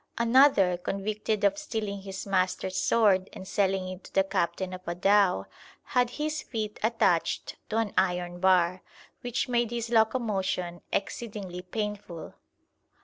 Another, convicted of stealing his master's sword and selling it to the captain of a dhow, had his feet attached to an iron bar, which made his locomotion exceedingly painful.